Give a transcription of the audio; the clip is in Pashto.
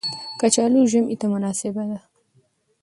کچالو ژمي ته مناسبه ده